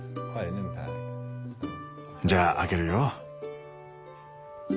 じゃあ開けるよ。